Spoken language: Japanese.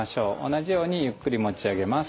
同じようにゆっくり持ち上げます。